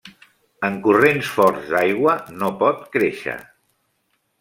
En corrents forts d'aigua no pot créixer.